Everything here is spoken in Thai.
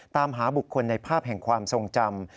ตามหาบุคคลในภาพแห่งความทรงจำ